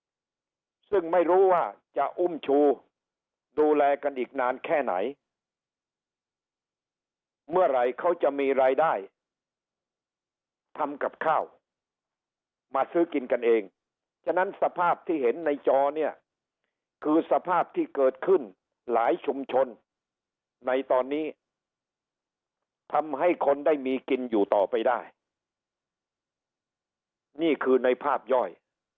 ครับซึ่งไม่รู้ว่าจะอุ้มชูดูแลกันอีกนานแค่ไหนเมื่อไหร่เขาจะมีรายได้ทำกับข้าวมาซื้อกินกันเองฉะนั้นสภาพที่เห็นในจอเนี่ยคือสภาพที่เกิดขึ้นหลายชุมชนในตอนนี้ทำให้คนได้มีกินอยู่ต่อไปได้นี่คือในภาพย่อย